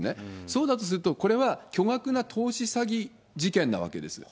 そうだとすると、これは巨額な投資詐欺事件なわけです。